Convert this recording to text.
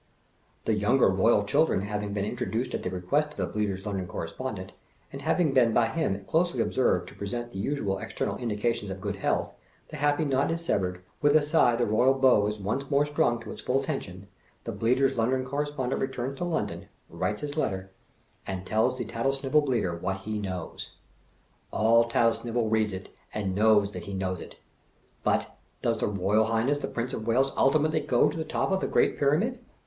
The younger Eoyal children having been introduced at the request of the Bleater's London Corre spondent, and having been by him closely observed to pre sent the usual external indications of good health, the happy knot is severed, with a sigh the Eoyal bow is once more strung to its full tension, the Bleater's London Corre spondent returns to London, writes his letter, and tells The Tattlesnivel Bleater what he knows. All Tattlesnivel reads it and knows that he knows it. But, does his Eoyal "the tattlesnivel bleatee." 301 Highness the Prince of Wales ultimately go to the top of the Great Pyramid?